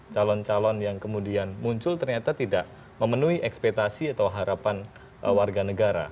calon calon yang kemudian muncul ternyata tidak memenuhi ekspetasi atau harapan warga negara